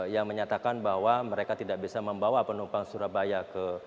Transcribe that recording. yang menyatakan bahwa mereka tidak bisa membawa penumpang surabaya ke